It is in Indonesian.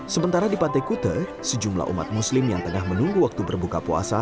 sementara di pantai kute sejumlah umat muslim yang tengah menunggu waktu berbuka puasa